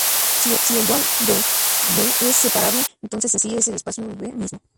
Si el dual de "V" es separable, entonces así es el espacio "V" mismo.